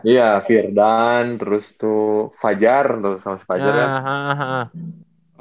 iya firdan terus tuh fajar terus sama si fajar ya